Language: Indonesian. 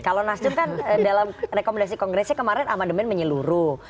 kalau nasdem kan dalam rekomendasi kongresnya kemarin amandemen menyeluruh